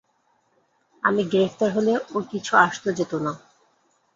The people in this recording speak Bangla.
আমি গ্রেফতার হলে ওর কিছু আসতো-যেতো না।